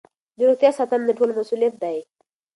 د روغتیا ساتنه د ټولو مسؤلیت دی.